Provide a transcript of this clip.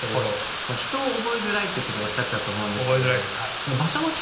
人を覚えづらいってことおっしゃってたと思うんですけど。